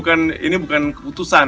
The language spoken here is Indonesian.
jadi ini bukan keputusan